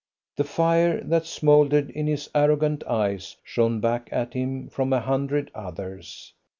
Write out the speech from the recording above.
The fire that smouldered in his arrogant eyes shone back at him from a hundred others.